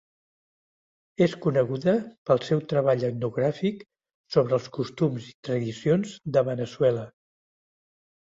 És coneguda pel seu treball etnogràfic sobre els costums i tradicions de Veneçuela.